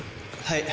はい。